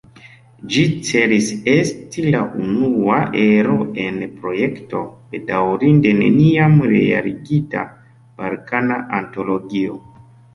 Ĝi celis esti la unua ero en projekto, bedaŭrinde, neniam realigita: "Balkana Antologio".